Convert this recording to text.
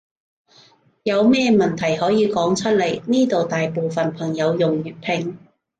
有咩問題可以講出來，呢度大部分朋友用粵拼